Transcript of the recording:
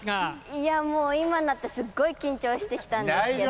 いやもう、今になってすっごい緊張してきたんですけど。